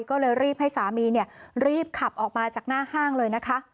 ก็เลยรีบให้สามีรีบขับออกมาจากหน้าห้างเลยนะคะ